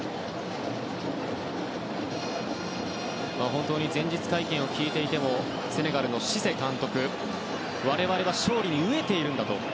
本当に、前日会見を聞いていてもセネガルのシセ監督は我々は勝利に飢えているんだと。